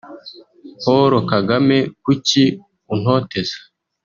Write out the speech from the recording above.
Paul Kagame kuki untoteza